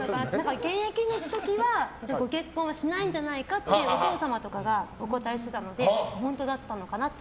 現役の時はご結婚しないんじゃないかってお父様とかがお答えしてたので本当だったのかなと。